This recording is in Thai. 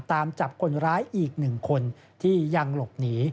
ตามจับคนร้ายอีก๑คนที่ยังหลบหนี